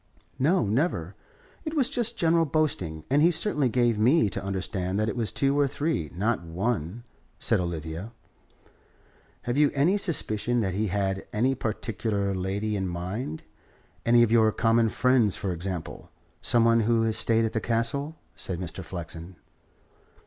"No. Never. It was just general boasting. And he certainly gave me to understand that it was two or three, not one," said Olivia. "Have you any suspicion that he had any particular lady in mind any of your common friends, for example some one who has stayed at the Castle?" said Mr. Flexen.